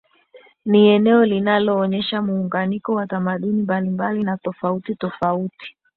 Ni eneo linaloonesha muunganiko wa tamaduni mbalimbali na tofauti tofauti